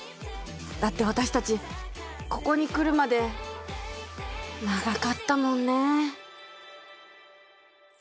だって私たちここにくるまで長かったもんね。